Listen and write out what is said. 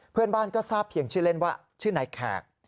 เพื่อนบ้านก็ทราบเพียงชื่อเล่นว่าชื่อนายแขก